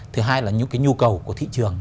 thứ hai là những nhu cầu của thị trường